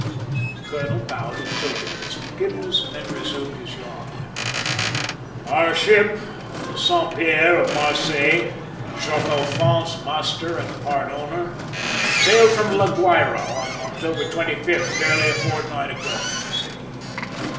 The colonel bowed in token of his forgiveness and then resumed his yarn. "Our ship, the Saint Pierre, of Marseilles, Jacques Alphonse master and part owner, sailed from La Guayra on October 25, barely a fortnight ago!" said he.